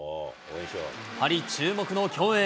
パリ注目の競泳。